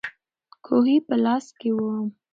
کوهی په لاس کې وو.